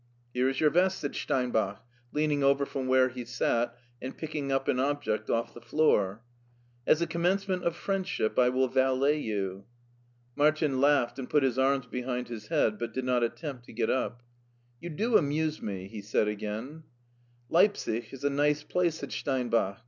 " Here is your vest," said Steinbach, leaning over from where he sat and picking up an object off the floor. ''As a commencement of friendship I will valet you." Martin laughed and put his arms behind his head, but did not attempt to get up. *' You do amuse me," he said again. Leipsic IS a nice place," said Steinbach.